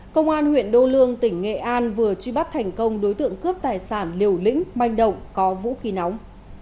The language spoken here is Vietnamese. công an huyện đô lương tỉnh nghệ an vừa truy bắt thành công đối tượng cướp tài sản liều lĩnh manh động có vũ khí nóng